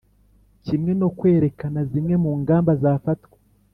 kimwe no kwerekana zimwe mu ngamba zafatwa